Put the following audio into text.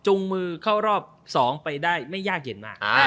มือเข้ารอบ๒ไปได้ไม่ยากเย็นมาก